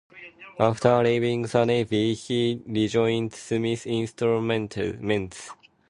After leaving the Navy, he rejoined Smiths Instruments.